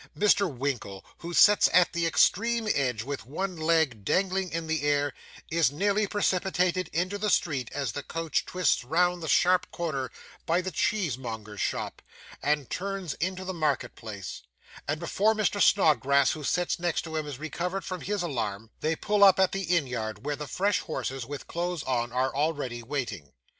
Mr. Winkle, who sits at the extreme edge, with one leg dangling in the air, is nearly precipitated into the street, as the coach twists round the sharp corner by the cheesemonger's shop, and turns into the market place; and before Mr. Snodgrass, who sits next to him, has recovered from his alarm, they pull up at the inn yard where the fresh horses, with cloths on, are already waiting.